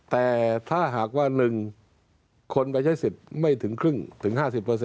แต่ถ้าหากว่า๑คนไปใช้สิทธิ์ไม่ถึงครึ่งถึง๕๐